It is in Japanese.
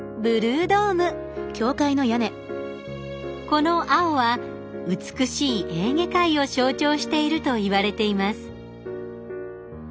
この青は美しいエーゲ海を象徴しているといわれています。